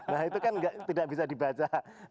nah itu kan tidak bisa dibaca